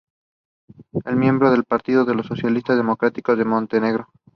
Es miembro del Partido de los Socialistas Democráticos de Montenegro.